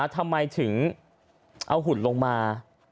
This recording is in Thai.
ทำไมถึงเอาหุ่นลงมา